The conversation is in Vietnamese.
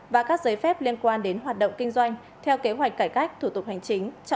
và các giấy phép liên quan đến hoạt động kinh doanh theo kế hoạch cải cách thủ tục hành chính